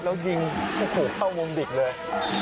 แล้วยิงเข้าวงบิกเลย